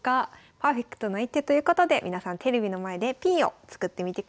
パーフェクトな一手ということで皆さんテレビの前でＰを作ってみてください。